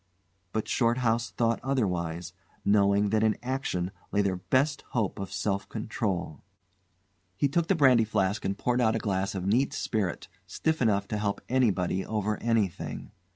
But Shorthouse thought otherwise, knowing that in action lay their best hope of self control. He took the brandy flask and poured out a glass of neat spirit, stiff enough to help anybody over anything.